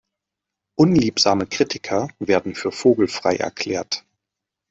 Unliebsame Kritiker werden für vogelfrei erklärt.